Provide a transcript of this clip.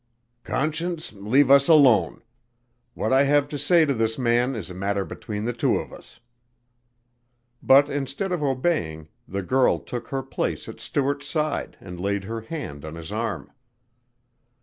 "Conscience, leave us alone. What I have to say to this man is a matter between the two of us." But instead of obeying the girl took her place at Stuart's side and laid her hand on his arm.